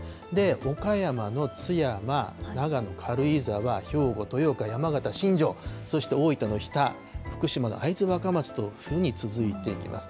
岡山の津山、長野・軽井沢、兵庫・豊岡、山形・新庄、そして大分の日田、福島の会津若松というふうに続いています。